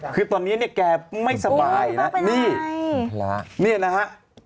คือตอนนี้เนี่ยแกไม่สบายนะนี่พระเนี่ยนะฮะ